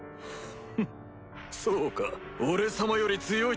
フッそうか俺様より強いってか！